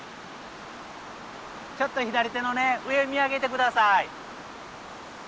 ちょっと左手のね上見上げて下さい。